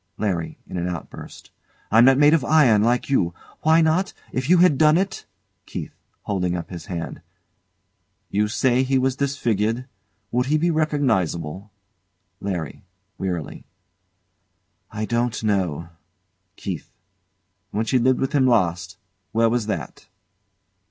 LARRY. [In an outburst] I'm not made of iron, like you. Why not? If you had done it ! KEITH. [Holding up his hand] You say he was disfigured. Would he be recognisable? LARRY. [Wearily] I don't know. KEITH. When she lived with him last where was that?